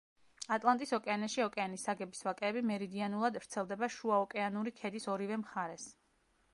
ატლანტის ოკეანეში ოკეანის საგების ვაკეები მერიდიანულად ვრცელდება შუაოკეანური ქედის ორივე მხარეს.